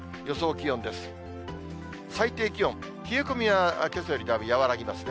最低気温、冷え込みはけさよりだいぶ和らぎますね。